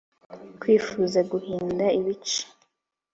Kwifuza guhinda ibice